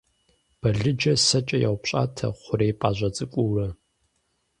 Балыджэр сэкӏэ яупщӏатэ хъурей пӏащӏэ цӏыкӏуурэ.